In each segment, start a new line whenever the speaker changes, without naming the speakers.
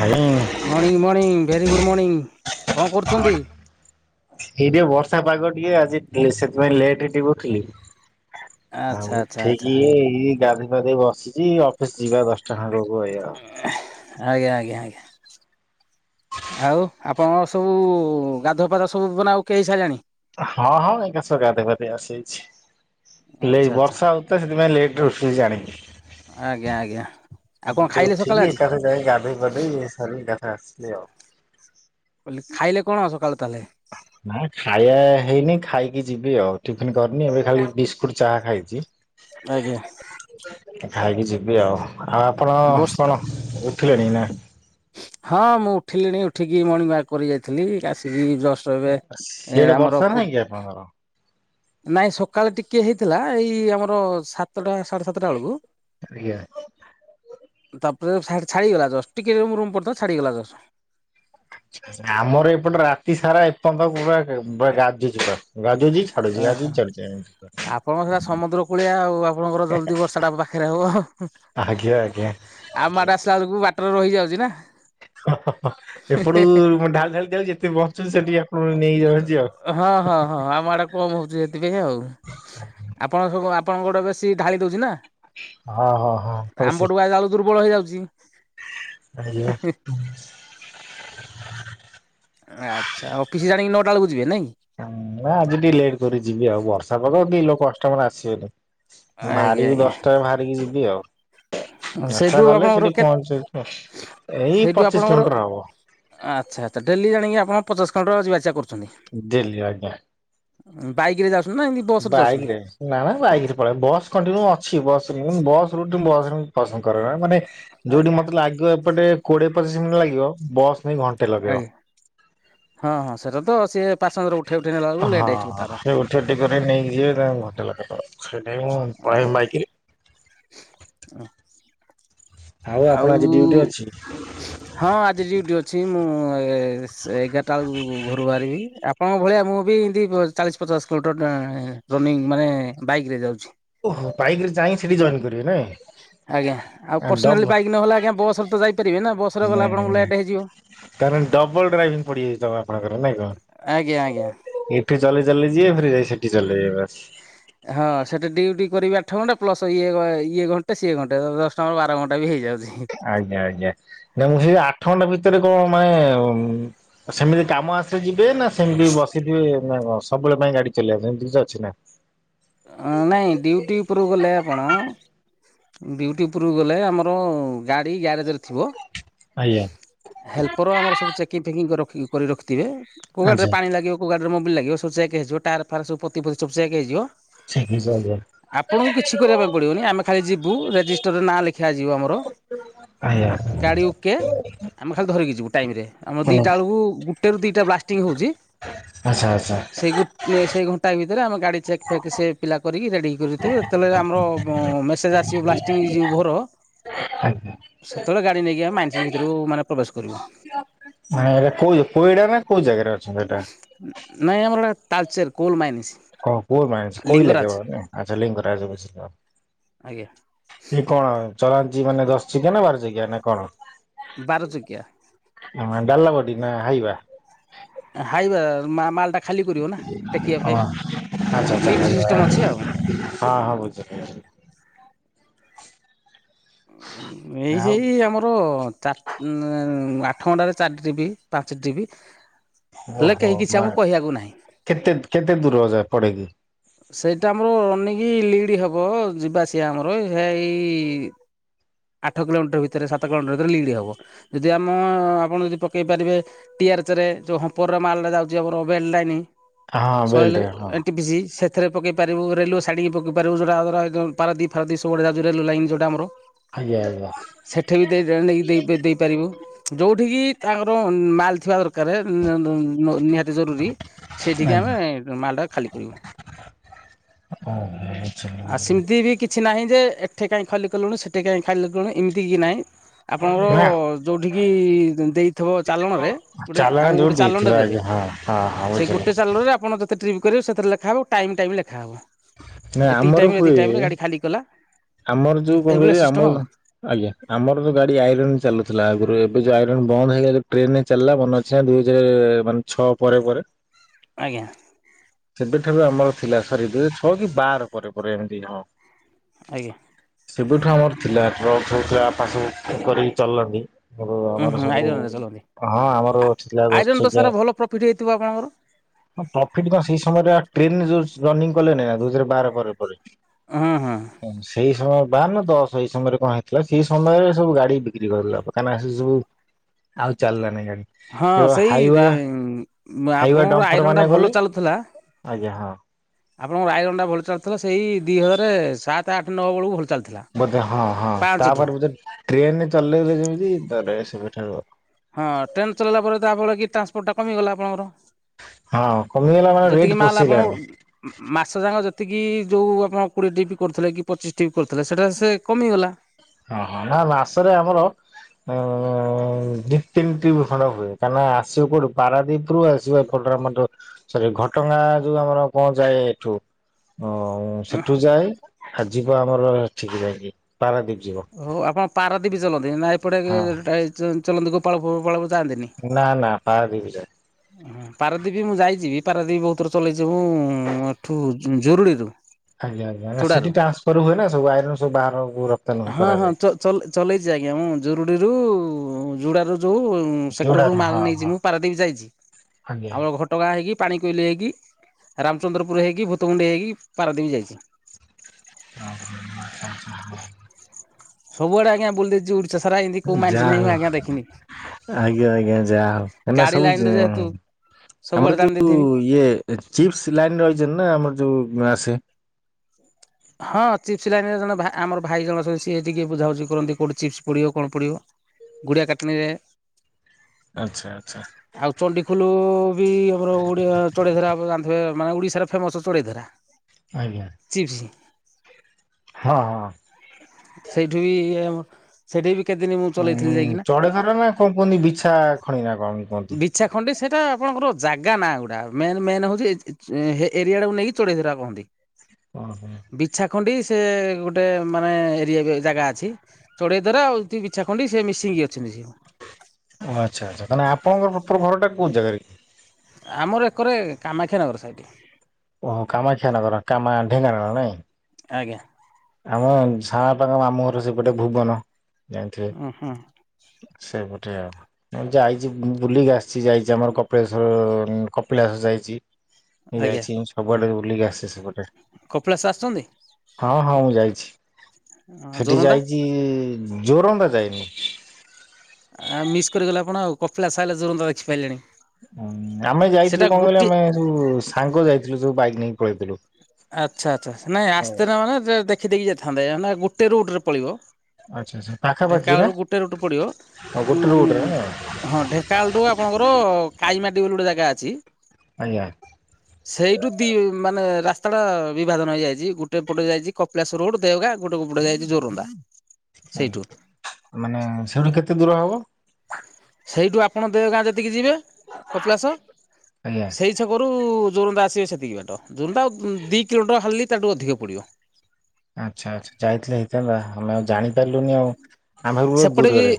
ହୁଁ।
Morning morning very good morning କଣ କରୁଛନ୍ତି।
ଏଇ ଟିକେ ବର୍ଷା ପାଗ ଟିକେ ଆଜି ସେଥିପାଇଁ ଲେଟ୍ ହେଇ ଟିକେ ଉଠୀଲି।
ଆଚ୍ଛା
ଆଉ
ଆଚ୍ଛା ଆଚ୍ଛା
ଠିକ ଗାଧୋଇ ଫାଧେଇ ବସ ଜି ଅଫିସ ଯିବା ଦଶଟା ଖଣ୍ଡେ ବୋ [unintelligible]
ଆଜ୍ଞା ଆଜ୍ଞା ଆଜ୍ଞା। ଆଉ ଆପଣଙ୍କ ସବୁ ଗାଧୁଆ ପାଧୁଆ ସବୁ ମନେ ଓକେ ହେସାରିଲାଣି।
ହଁ ହଁ ଏକା ସର୍ ଗାଧେଇପାଧେଇ ଆସିଛି ହେଲେ
ଆଚ୍ଛା
ଏଇ
ଆଚ୍ଛା
ବର୍ଷା ହଉ ତ ସେଥିପାଇଁ ଲେଟ୍ ରୋସେଇ ଜାଣିକି
ଆଜ୍ଞା ଆଜ୍ଞା। ଆଉ କଣ ଖାଇଲେ ସକାଳେ
ଉଠିକି
ଆଜି?
ଏକାଥରକେ ଯାଇ ଗାଧୋଇ ପାଧେଇ ସାର ଏକାଥ ଆସିଲି ଆଉ।
ଖାଇଲେ କଣ ସକାଳେ ତାହେଲେ।
ନା ଖାଇବା ହେଇନି ଖାଇକି ଯିବି ଆଉ ଟିଫିନ କରିନି ଏବେ ଖାଲି ବିସ୍କୁଟ ଚାହା ଖାଇଛି।
ଆଜ୍ଞା।
ଖାଇକି ଯିବି ଆଉ ଆଉ ଆପଣ
ବର୍ଷ
କଣ ଉଠିଲେଣି ନା।
ହଁ ମୁଁ ଉଠିଲିଣି ଉଠିକି ମର୍ଣ୍ଣିଂ ୱାରକ୍ କରି ଯାଇଥିଲି ଆସିକି ଯଷ୍ଟ
ସିଆଡେ ବର୍ଷା ନାହିଁ କି ଆପଣଙ୍କର।
ନାଇଁ ସକାଳେ ଟିକେ ହେଇଥିଲା ଏଇ ଆମର ସାତଟା ସାଢେ ସାତଟା ବେଳକୁ
ଆଜ୍ଞା।
ତାପରେ ସା ଛାଡିଗଲା ଯଷ୍ଟ୍ ଟିକେ ରୁମ୍ ରୁମ୍ କରୁଥିଲା ଛାଡିଗଲା ଯଷ୍ଟ୍।
ଆମର ଏପଟେ ରାତି ସାରା ଏପନ୍ତ ପୁରା ବା [unintelligible] ଗାଜୁଚି ପୁରା ଗାଜୁଛି ଛାଡୁଛି ଗାଜୁଛି
ଓହୋ
ଛାଡୁଛି ଏମିତି। ପୁରା।
ଆପଣଙ୍କ ସେଟା ସମୁଦ୍ର କୂଳିଆ ଆଉ ଆପଣଙ୍କର ଜଲ୍ଦି ବର୍ଷା ଟା ପା ଖରେ ଓହୋ।
ଆଜ୍ଞା ଆଜ୍ଞା।
ଆମ ଆଡ଼େ ଆସିଲା ବେଳକୁ ବାଟରେ ରହିଯାଉଛି ନା।
ଓ ଏପଟୁ ଢାଲି ଢାଲି ଯାଉଚି ଯେତେ ବଞ୍ଚୁଚି ସେଠି ଆପଣ ନେଇଯାଉଛି ଆଉ।
ହଁ ହଁ ହଁ। ଆମ ଆଡ଼େ କମ୍ ହଉଛି ସେଥିପାଇଁ ଆଉ ଆପଣ ସବୁ ଆପଣଙ୍କ ଗୋଟେ ବେଶୀ ଢାଳି ଦଉଛି ନା।
ହଁ ହଁ ହଁ
ଆମ୍ବ
ହଉଛି
ପଟକୁ ଆଇଲା ବେଳକୁ ଦୁର୍ବଳ ହେଇଯାଉଛି।
ଆଜ୍ଞା।
ଆଚ୍ଛା ଅଫିସ ଯାଣିକି ନଅଟା ବେଳକୁ ଯିବେ ନାଇଁ।
ନାଁ ଆଜି ଟିକେ ଲେଟ୍ କରି ଯିବି ଆଉ ବର୍ଷା ପାଗ କେହି ଲୋକ୍ କଷ୍ଟମର୍ ଆସିବେନି।
ଆଜ୍ଞା
ବାହାରିବି
ଆଜ୍ଞା
ଦସ୍ଟାରେ ବାହାରିକି ଯିବି ଆଉ। ଦଶଟା
ସେଇଠୁ
ଗଲେ
ଆପଣଙ୍କର
ସେଠି
କେ
ପହଞ୍ଚିବୁ ଏଇ
ସେଇଠୁ
ପଚିଶ୍
ଆପଣଙ୍କର
କିଲୋମିଟର ହବ।
ଆଚ୍ଛା ଆଚ୍ଛା ଡେଲି ଜାଣିକି ଆପଣ ପଚାଶ୍ କିଲୋମିଟର ଯିବା ଆସିବା କରୁଚନ୍ତି?
ଡେଲି ଆଜ୍ଞା।
ଉଁ ବାଇକ୍ ରେ ଯାଉସ୍
ବାଇକ୍ ରେ। ନା ନା ବାଇକ୍ ରେ ପଳାଏ ବସ୍ କଣ୍ଟିନ୍ୟୁ ଅଛି ବସ୍ ମୁଁ ବସ୍ ରୁ [unintelligible] ଯିବାକୁ ପସନ୍ଦ କରେନା ମାନେ ଯୋଉଠି
ଆଜ୍ଞା
ମତେ ଲାଗିବ ଏପଟେ କୋଡିଏ ପଚିଶ୍ ମିନିଟ୍ ଲାଗିବ ବସ୍ ନେଇ ଘଣ୍ଟ୍
ଆଜ୍ଞା ହଁ-ହଁ ସେଇଟା ତ ସିଏ ପାସେଞ୍ଜର୍ ଉଠେଇ ଉଠେଇ ନେଲା ବେଳୁ ଲେଟ୍ ହେଇଯିବ ତାର।
ଟେ କରି ନେଇକି ଯାଏ [unintelligible] ସେଇଟା ମୁଁ ପଳେଇବି ବାଇକ୍ ରେ
ଅ। ଆଉ
ଆପଣ ଆଜି ଡ୍ୟୁଟି [inaudible]
ହଁ ଆଜି ଡ଼ିଉଟି ଅଛି ମୁଁ ଏ-ଏ ସେ ଏଗାରଟା ଆଳକୁ ଘରୁ ବାହାରିବି ଆପ୍ ଆପଣଙ୍କ ଭଳିଆ ମୁଁ ବି ଇନ୍ତି ଚାଳିଶ୍ ପଚାଶ୍ କିଲୋମିଟର୍ ଡାଏଁ ରନିଂ ମାନେ ବାଇକ୍ ରେ ଯାଉଛି।
ଓହୋ ବାଇକ୍ ରେ ଯାଇଁ ସେଠି ଜଏନ୍ କରିବେ ନାଇଁ।
ଆଜ୍ଞା ଆଉ
ଆ ଡବ
ପର୍ସନାଲ୍ ବାଇକ୍ ନହେଲେ ଆଜ୍ଞା ବସ୍ ରେ ତ ଯାଇପାରିବେ ନା ବ
ନାଇଁ ନାଇଁ ତା ମାନେ ଡବଲ୍ ଡ୍ରାଇଭିଂ ପଡିଯାଏ ତ ଆପଣଙ୍କର ନାଇଁ କଣ?
ଆଜ୍ଞା ଆଜ୍ଞା।
ଏଠି ଚାଲେଇ ଚାଲେଇ ଯିବେ ଫେରେ ଯାଇ ସେଠି ଚାଲେଇବେ ବାସ୍
ହଁ ସେଠି ଡିଉଟି କରିବେ ଆଠ ଘଣ୍ଟା ପ୍ଲସ୍ ଇଏ ଇଏ ଘଣ୍ଟେ ସିଏ ଘଣ୍ଟେ ଦଶ୍ ତମ ବାର ଘଣ୍ଟା ବି ହେଇଯାଉଛି ହି।
ଆଜ୍ଞା ଆଜ୍ଞା। ନା ମୁଁ ସେଇ ଆଠ ଘଣ୍ଟା ଭିତରେ କଁ ମାଏଁ ସେମିତି କାମ ଆସେ ଯିବେ ନା ସେମିତି ବସିଥିବେ ନା କଁ ସବୁବେଳେ ପାଇଁ ଗାଡି ଚଲେଇବା ପାଇଁ ସେମିତି କିଛି ଅଛି ନା।
ଅଁ ନାଇଁ ଡ୍ୟୁଟି ଉପରୁକୁ ଗଲେ ଆପଣ ଡିଉଟି ଉପୁରୁକୁ ଗଲେ ଆମର ଗାଡି ଗ୍ୟାରେଜରେ ଥିବ
ଆଜ୍ଞା।
ହେଲ୍ପର ଆମର ସବୁ ଚେକିଂ ଫେକିଂ କରି ରଖି କରି ରଖିଥିବେ କୋଉ ଗାଡିରେ
ଆଚ୍ଛା
ପାଣି ଲାଗିବ କୋଉ ଗାଡିରେ ମୋବିଲ୍ ଲାଗିବ ସବୁ ଚେକ୍ ହେଇଯିବ ଟାୟାର୍ ଫାୟାର୍ ପୋତି ଫୋତି ସବୁ ଚେକ୍ ହେଇଯିବ
[unintelligible]
ଆପଣଙ୍କୁ କିଛି କରିବା ପାଇଁ ପଡିବନି ଆମେ ଖାଲି ଯିବୁ ରେଜିଷ୍ଟରରେ ନାଁ ଲେଖିବା ଯିବ ଆମର
ଆଜ୍ଞା
ଗାଡି ଓକେ ଆମେ ଖାଲି ଧରିକି ଯିବୁ ଟାଇମ୍ ରେ ଆମ
ହୁଁ
ଦିଟା ଆଳୁକୁ ଗୁ ଗୋଟେରୁ ଦିଇଟା ବ୍ଲାଷ୍ଟିଟିଂ ହଉଚି
ଆଚ୍ଛା ଆଚ୍ଛା।
ସେଇ ଗୁଟ୍ ନେ ସେଇ ଘଣ୍ଟାଏ ଭିତରେ ଆମେ ଗାଡ଼ି ଚେକ୍ ଫେକ୍ ସେ ପିଲା କରିକି ରେଡ଼ି କରି ଥିବେ ଯେତେବେଳେ ଆମର ଅଁ ମେସେଜ୍ ଆସିବ ବ୍ଲାଷ୍ଟିଂ ଇଜ୍ ଓଭର
[inaudible] ଆଜ୍ଞା।
ସେତେଏଳେ ଗାଡ଼ି ନେଇକି ଆମେ ମାଇନ୍ସ୍ ଭିତୁରୁ ମାନେ ପ୍ରବେଶ କରିବୁ।
ମାନେ ଏଇଟା କୋଇ କୋଇଡା ନା କୋଉ ଜାଗାରେ ଅଛି ଏଟା?
ନାଇଁ ଆମର [unintelligible] ତାଲଚେର୍ କୋଲ୍ ମାଇନ୍ସ୍।
ଓ କୋଲ୍ ମାଇନ୍ସ୍ କୋଇଲା କେବଳ ନାଇ ଆଚ୍ଛା ଲିଙ୍ଗରାଜ୍ ବିଷ୍ନୁ।
ଆଜ୍ଞା।
ଏଇ କଣ ଚଳାନ୍ତି ଯି ମାନେ ଦଶ୍ ଚକିଆ ନା ବାର ଚକିଆ ନା କଣ?
ବାର ଚକିଆ।
ଆଁ ଡାଲବଡି ନା ହାଇୱା?
ହାଇୱା ମା ମାଲ୍ ଟା ଖାଲି କରିବ ନା ଟେକିବା
ହଁ
ପାଇଁ ଲିଫ୍ଟ ସିଷ୍ଟମ୍ ଅଛି ଆଉ। [unintelligible]
ହଁ-ହଁ ବୁଝିଲି।
ଏଇ
ଆଉ
ସେଇ ଆମର ଚାର ହୁଁ ଆଠଘଣ୍ଟାରେ ଚାରି ଟ୍ରିପ୍ ପାଞ୍ଚ ଟ୍ରିପ୍। ହେଲେ କେହି କିଛି ଆମକୁ କହିବାକୁ ନାହିଁ।
କେତେ-କେତେ ଦୂର ଯାଏ ପଡେକି?
ସେଇଟା ଆମର ଅନେକି ଲିଡ଼୍ ହେବ ଯିବା ଆସିବା ଆମର ହେଇ ଆଠ କିଲୋମିଟର ଭିତରେ ସାତ କିଲୋମିଟର ଭିତରେ ଲିଡ଼ି ହବ ଯଦି ଆମ ଆପଣ ଯଦି ପକେଇ ପାରିବେ ଟିଆର୍ଚ ରେ ଯେଉଁ ହମ୍ପରରେ ମାଲଟେ ଯାଉଛି ଆମର ବେଲ୍ ଲାଇନି
ହଁ
ସଏଲ୍
ବେଲ୍ଟରେ ହଁ।
ଏଣ୍ଟି ପିସି ସେଥିରେ ପକେଇ ପାରିବୁ ରେଲେୱଶାଇଟିକି ପକାଇ ପାରିବୁ ଯେଉଁଟା ଆମର ପାରାଦୀପି ଫାରାଦୀପି ସବୁ ଆଡେ ଯାଉଛି ରେଲିୱ ଲାଇନ୍ ଯୋଉଟା ଆମର।
ଆଜ୍ଞା-ଆଜ୍ଞା।
ସେଠି ବି ଦେଇ ଜାଣି ନେଇକି ଦେଇପାରିବୁ। ଯୋଉଠିକି ତାଙ୍କର ମାଲ୍ ଥିବା ଦରକାର ନି ଜରୁରୀ ସେଇଠିକି
ଆଜ୍ଞା
ଆମେ ମାଲଟା ଖାଲି କରିବୁ।
ଓହୋ
ଆ
ବୁଝିଲି
ସେମିତି ବି କିଛି ନାହିଁ ଯେ ଏଠି କାହିଁ ଖାଲି କଲୁନୁ ସେଠି କାହିଁ ଖାଲି କଲୁନୁ ଏମିତି କିଛି ନାହିଁ। ଆପଣଙ୍କର
ନା
ଯେଉଁଠିକି ଦେଇଥିବ ଚାଲଣରେ ଗୋଟେ
ଚାଲାଣ
ଆମକୁ ଗୋଟେ
ଯୋଉଠି ଦେଇଥିବ
ଚାଲାଣଟା ଦେବେ
ଆଜ୍ଞା ହଁ ହଁ ହଁ
ସେଇ
ବୁଝିଲି।
ଗୋଟେ ଚାଲଣ ରେ ଆପଣ ଟ୍ରିପ୍ କରିବେ ସେଥିରେ ଲୋଖାହବ ଟାଇମ୍ ଟା ବି ଲେଖା ହବ।
ନା
ଏତିକି
ଆମର
ଟାଇମ୍ ଏତିକି ଟାଇମ୍ ରେ ଗାଡି ଖାଲି କଲା।
ବ୍ରଜୁ
ଏଇଭଳିଆ
ପୋଖରି
ସିଷ୍ଟମ୍ ଆଉ
ଆମଲ ଆଜ୍ଞା ଆମର ତ ଗାଡି ଆଇରନ୍ ଚାଲୁଥିଲା ଆଗରୁ ଏବେ ଯୋଉ ଆଇରନ୍ ବନ୍ଦ ହେଇଗଲା ଟ୍ରେନ୍ ରେ ଚାଲିଲା ମନ ଇଛା ଦୁଇ ହଜାର ମାନେ ଛଅ ପରେ-ପରେ।
ଆଜ୍ଞା।
ସେବେଠାରୁ ଆମର ଥିଲା ସରି ଦୁଇ ହଜାରଛଅ କି ବାର ପରେ-ପରେ ଏମିତି ହଁ।
ଆଜ୍ଞା।
ସେବଠୁ ଆମର ଥିଲା ଟ୍ରକ୍ [unintelligible] କରି ଚଲଣି। ସେବେରୁ
ଉଁ
ଆମର
ହୁଁ
ସବୁ
ଆଇରନରେ ଚଲାନ୍ତି
ହଁ ଆମରଥିଲା ଦଶ
ଆଇରନ୍ ତ
ଚକିଆ।
ସାର୍ ଭଲ ପ୍ରଫିଟ୍ ହେଇଥିବ ଆପଣଙ୍କର
ହଁ ପ୍ରଫିଟି ସେଇ ସମୟରେ ଟ୍ରେନ୍ ଯୋଉ ରନିଂ କଲେ ନାଇ ଦୁଇ ହଜାର ବାର ପରେ-ପରେ।
ହୁଁ-ହୁଁ।
ସେଇ ସମୟ ବାର ନା ଦଶ ସେଇ ସମୟରେ କଣ ହେଇଥିଲା ସେଇ ସମୟରେ ସବୁ ଗାଡି ବିକ୍ରି କରିଦେଲେ ଆମର। କାଇଁ ସେ ସବୁ ଆଉ ଚାଲିଲାନି ଗାଡି।
ହଁ
କେବଳ
ସେଇ ରେ
ହାଇୱା ହାଇୱା
ଆପଣଙ୍କର
ଡମ୍ଫର
ଆଇରନ୍ ଟା
ମାନେ ଗଲେ
ଭଲ ଚାଲୁଥିଲା।
ଆଜ୍ଞା ହଁ।
ଆପଣଙ୍କର ଆଇରନଟା ଭଲ ଚାଲିଥିଲା ସେଇ ଦୁଇ ହଜାର ସାତ ଆଠ ନଅ ବେଳକୁ ଭଲ ଚାଲିଥିଲା।
ବୋଧେ ହଁ-ହଁ
ପାଞ୍ଚଠୁ
ତାପରେ ବୋଧେ ଟ୍ରେନ୍ ଚଲେଇଲେ ଯେମିତି ତା ପରେ ସେବେଠାରୁ।
ହଁ ଟ୍ରେନ୍ ଚଲେଇଲା ପରେ ତା ଫଳରେ କି ଟ୍ରାନ୍ସପୋର୍ଟ ଟା କମିଗଲା ଆପଣଙ୍କର।
ହଁ କମିଗଲା ମାନେ
ଯେତିକି
ରେଟଟ୍
ମାଲ୍ ଆପଣ
ପୋସେଇଲାନି।
ମାସ ଯାକ ଯେତିକି ଯେଉଁ ଆପଣ କୋଡ଼ିଏ ଟ୍ରିପ୍ କରୁଥିଲେ କି ପଚିଶ ଟ୍ରିପ୍ କରୁଥିଲେ ସେଇଟା ସେ କମିଗଲା।
ହଁ-ହଁ ନା ମାସରେ ଆମର ଉଁ ଦି ତିନି ଟ୍ରିପ୍ ଖଣ୍ଡ ହୁଏ କାହିଁନା ଆସିବ କୋଉଠି ପାରାଦ୍ୱୀପରୁୁ ଆ [unintelligible] ସରି ଘଟଗାଁ ଯୋଉ ଆମର ବସ୍ ଯାଏ ଏଠୁ। ସେଠୁ ଯାଏ ଆଉ ଯିବ ଆମର ଏଠିକି ଯାଇ କି ପାରାଦୀପ ଯିବ।
ହଉ ଆପଣ ପାରଦୀପି ଚଲାନ୍ତି ନା ଏପଟେ କି
ହଁ
ଚଲନ୍ତି ଗୋପାଳପୁରୁ ଫୋପାଳକୁ ପୁରୁଯାଆନ୍ତିନି।
ନା ନା ପାରାଦିପିଯାଏ।
ହୁ ପାରାଦୀପୀ ମୁଁ ଯାଇଛିି ପାରାଦୀପୀ ବହୁତ ଥର ଚଲେଇଛି ମୁଁ ଏଠୁ ଜୁରୁଡ଼ିରୁ।
ଆଜ୍ଞା ଆଜ୍ଞା ସେଠି ଟ୍ରାନ୍ସଫର ହୁଏ ନା ସବୁ ଆଇରନ ସବୁ ବାହାରକୁ ରପ୍ତାନୀ କରାଯାଏ।
ଚଲ ଚଲେଇଛି ଆଜ୍ଞା ମୁଁ ଜୁରୁଡ଼ିରୁ ଯୋଡ଼ାରୁ ଯଉ
ଯୋଉଟା
ସେକ୍ଟରରୁ ମାଲ
ହଁ
ନେଇଛି
ହଁ
ମୁଁ ପାରାଦୀପ ଯାଇଛି।
[unintelligible]
ଆମ ଘଟଗାଁ ହୋଇକି ପାଣିକୋଇଲି ହେଇକି ରାମଚନ୍ଦ୍ରପୁର ହେଇକି ଭୂତୁମୁଣ୍ଡେଇ ହେଇକି ପାରାଦ୍ୱୀପି ଯାଇଛି।
[inaudible]
ସବୁଆଡେ ଆଜ୍ଞା ବୁଲି ଦେଇଛି ଓଡିଶା ସାରା ଏମିତି କୋଉ ମାଇନ୍ସ
ଯାହା
ନାହିଁ ମୁଁ
ହଉ
ଆଜ୍ଞା ଦେଖିନି।
ଆଜ୍ଞା ଆଜ୍ଞା ଯାହା ହଉ ଆମେ
ଗାଡି
ସବୁ
ଲାଇନ ରେ
ଯେ
ଯେହେତୁ ସବୁଆଡେ ଦାଣି ଦେଇଥିବି।
ଏ ଚିପ୍ସ ଲାଇନରେ ରହିଛନ୍ତି ନା ଆମର ଯୋଉ ଆସେ
ହଁ ଚିପ୍ସ ଲାଇନରେ ଜଣେ ଭା ଆମର ଭାଇ ଜଣେ ଅଛନ୍ତି ସିଏ ଟିକେ ବୁଝାବୁଝି କରନ୍ତି କୋଉଠି ଚିପ୍ସ ପଡିବ କଣ ପଡିବ। ଗୁଡ଼ିଆ କାଟଣିରେ
ଆଚ୍ଛା ଆଚ୍ଛା।
ଆଉ ଚଣ୍ଡିଖୁଲୁ ବି ଆମର ଓଡ଼ିଆ ଚଢେଇ ଧରା ଆପଣ ଜାଣିଥିବେ ମାନେ ଓଡିଶାର ଫେମସ ଚଢେଇ ଧରା।
ଆଜ୍ଞା।
ଚିପ୍ସ
ହଁ ହଁ।
ସେଇଠୁ ବି ଆମ ସେଇଠି ବି କେତେଦିନ ମୁଁ ଚଲେଇଥିଲି ଯାଇକିନା।
[unintelligible] ନା କଣ କୁହନ୍ତି ବିଛା ଖଣି ନା କଣ? କୁହନ୍ତି?
ବିଛା ଖଣ୍ଡି ସେଇଟା ଆପଣଙ୍କର ଜାଗା ନା ଗୁଡା ମେନ ମେନ ହଉଛି ଏ ଏରିଆ ଟାକୁ ନେଇକି ଚଢେଇ ଧରା କୁହନ୍ତି।
ଓ ହୋ।
ବିଛାଖଣ୍ଡି ସେ ଗୋଟେ ମାନେ ଏରିଆ ବି ଜାଗା ଅଛି। ଚଢେଇଧରା ଆଉ ସେଠି ବିଛାଖଣ୍ଡି ସେ ମିଶିିକି ଅଛନ୍ତି ସି
ଓ ହୋ ଆଚ୍ଛା ଆଚ୍ଛା ତା ମାନେ ଆପଣଙ୍କ ପ୍ରପର ଘରଟା କୋଉ ଜାଗାରେ? କି?
ଆମର ଏକରେ କାମାକ୍ଷାନଗର ସାଇଟ।
ଓ ହୋ କାମାକ୍ଷାନଗର କାମା ଢେଙ୍କାନାଳ ନାଇଁ?
ଆଜ୍ଞା।
ଆମ ସାଆପାଖ ମାମୁଁ ଘର ସେପଟେ ଭୁବନ ଜାଣିଥିବେ?
ଉଁ ହୁଁ।
ସେଇପଟେ ଆଉ। ମୁଁ ଯାଇଛି ବୁଲିକି ଆସିଛି ଯାଇଛି ଆମର କପିଳେଶ୍ଵର କପିଳାଶ ଯାଇଚି।
ଆଜ୍ଞା
ଯାଇଛି ମୁଁ ସବୁଆଡେ ବୁଲିକି ଆସିଛି ସେପଟେ।
କପିଳାସ ଆସିଛନ୍ତି?
ହଁ ହଁ ମୁଁ ଯାଇଛି ସେଠି
ଜୋରନ୍ଦା
ଯାଇଛି ଜୋରନ୍ଦା ଯାଇନି।
ଆ ମିସ୍ କରିଗଲେ ଆପଣ ଆଉ କପିଳାସ ଆଇଲେ ଯୋରନ୍ଦା ଦେଖିପାଇଲେଣି।
ହଁ ଆମେ ଯାଇଥିଲୁ କଣ କହିଲେ ଆମେ ସୁ ସାଙ୍ଗ ଯାଇଥିଲୁ ସବୁ ବାଇକ ନେଇକି ପଳେଇଥିଲୁ।
ଆଚ୍ଛା ଆଚ୍ଛା ନାଇଁ ଆସ୍ତେ ନା ଦେ ଦେଖିଦେଇକି ଯାଇଥାନ୍ତେ ନା ଗୋଟେ ରୁଟ ରେ ପଳିବ।
ଆଚ୍ଛା ଆଚ୍ଛା ପାଖାପାଖି ନା
ଢେଙ୍କାନାଳରୁ ଗୋଟେ ରୁଟ ପଡିବ
ଆଉ
ହୁଁ
ଗୋଟେ
ହୁଁ।
ରୁଟରେ ନା
ହଁ ଢେଙ୍କାନାଳଠୁ ଆପଣଙ୍କର କାଇମାଟି ବୋଲି ଗୋଟେ ଜାଗା ଅଛି।
ଆଜ୍ଞା।
ସେଇଠୁ ଦି ମାନେ ରା ତଟା ବିଭାଜନ ହେଇଯାଇଛି ଗୋଟେ ପଟ ଯାଇଛି କପିଳାଶ ରୋଡ଼ ଦେଓଗାଁ ଗୋଟେ ଗ ପଟ ଯାଇଛି ଜୋରନ୍ଦା। ସେଇଠୁ
ମାନେ ସେଠୁ କେତେ ଦୂର ହବ?
ସେଇଠୁ ଆପଣ ଦେଓଗାଁ ଯେତିକି ଯିବେ, କପିଳାସ
ଆଜ୍ଞା
ସେଇ ଛକରୁ ଯୋରନ୍ଦା ଆସିବେ ସେତିକି ବାଟ। ଯୋରନ୍ଦା ଆଉ ଦି କିଲୋମିଟର ହାଡ଼ଲି ତାଠୁ ଅଧିକ ପଡ଼ିବ।
ଆଚ୍ଛା ଆଚ୍ଛା। ଯାଇଥିଲେ ହେଇଥାନ୍ତା। ଆମେ ଆଉ ଜାଣିପାରିଲୁନି ଆଉ। ଆମେ ଭାବିଲୁ
ସେପଟେ ବି
ଦୂରରେ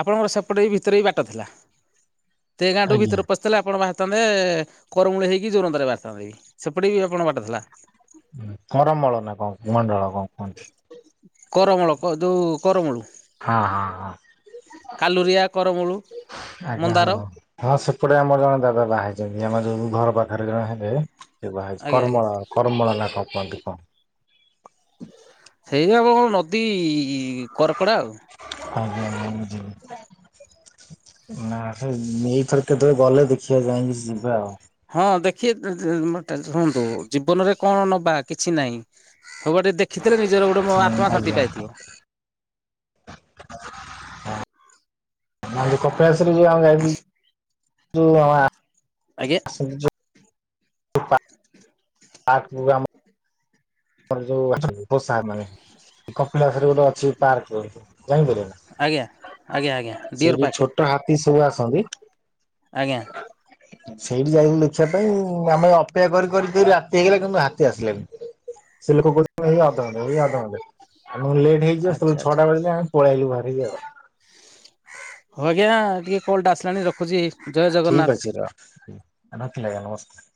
ଆପଣଙ୍କର ସେପଟେ ବି ଭିତରେ ବି ବାଟ ଥିଲା। ଦେଗାଁଠୁ
ଆଜ୍ଞା
ଭିତରେ ପସ୍ ଥିଲେ ଆପଣ ବାହାରିଥାନ୍ତେ କରମୂଳି ହେଇକି ଯୋରନ୍ଦାରେ ବାହାରିଥାନ୍ତେ ବି। ସେପଟେ ବି ଆପଣଙ୍କ ବାଟ ଥିଲା।
କରମଳ ନା କଣ କମଣ୍ଡଳ କଣ କୁହନ୍ତି।
କରମଳ କ ଯୋଉ କରମୁଳୁ।
ହଁ ହଁ ହଁ।
କାଲୁରିଆ, କରମୂଳୁ,
ଆଜ୍ଞା ହଉ
ମନ୍ଦାର
ହଁ ସେପଟେ ଆମର ଜଣେ ଦାଦା ବାହା ହେଇଛନ୍ତି। ଆମର ଯୋଉ ଘର ପାଖରେ ଜଣେ ହେବେ ସେ ବାହାହେଇଚି
ଆଜ୍ଞା ଆଜ୍ଞା
କରମଳ କରମଳ ନା କଣ କୁହନ୍ତି କଣ।
ସେଇ ଆମ ନଦୀ କରପଡା ଆଉ।
ଆଜ୍ଞା ଆଜ୍ଞା ମୁଁ ଯିବି। ନା ସେ ଏଇଥର କେତେବେଳେ ଗଲେ ଦେଖିବା ଯାଇଁକି ଯିବା ଆଉ।
ହଁ ଦେଖି [unintelligible] ଶୁଣନ୍ତୁ ଜୀବନରେ କଣ ନବା, କିଛି ନାହିଁ। ସବୁଆଡେ ଟିକେ ଦେଖିଥିଲେ ନିଜର ଗୋଟେ ମ ଆତ୍ମା ଶାନ୍ତି
ଆଜ୍ଞା
ପାଇଥିବ।
ମୁଁ ହେନ୍ତି କପିଳାସ ରେ ଯୋଉ ଆମେ ଯାଇଥିଲୁ ଯୋଉ ଆ
ଆଜ୍ଞା।
[unintelligible] [unintelligible] [unintelligible] ଆମର ଯୋଉ ଅଛି [unintelligible] ମାନେ କପିଳାସରେ ଗୋଟେ ଅଛି ପାର୍କ ଯାଇଥିଲେ ନା?
ଆଜ୍ଞା ଆଜ୍ଞା ଆଜ୍ଞା ଡିଅର
ସେଇଠି
ପାର୍କ
ଛୋଟ ହାତୀ ସବୁ ଆସନ୍ତି।
ଆଜ୍ଞା
ସେଇଠି ଯାଇଥିଲୁ ଦେଖିବା ପାଇଁ ଆମେ ଅପେକ୍ଷା କରି କରି କରି ରାତି ହେଇଗଲା, କିନ୍ତୁ ହାତୀ ଆସିଲେନି। ସେ ଲୋକ କହୁଛନ୍ତି ଏଇ ଅଧ ଘଣ୍ଟେ, ଏଇ ଅଧ ଘଣ୍ଟେ ଆମ କହିଲୁ ଲେଟ୍ ହେଇଯିବ ସେତେବେଳ
ଆଚ୍ଛା
କୁ
ଆଚ୍ଛା
ଛଅଟା ବାଜିଲା ପଳେ ଆଇଲୁ ବାହାରିକି ଆଉ।
ହଉ ଆଜ୍ଞା ଟିକେ କଲ୍ ଟା ଆସିଲାଣି ରଖୁଚି।
ଠିକ୍ ଅଛି [unintelligible] ରଖିଲି ଆଜ୍ଞା ନମସ୍କାର।